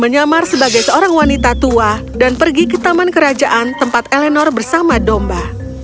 menyamar sebagai seorang wanita tua dan pergi ke taman kerajaan tempat elenor bersama domba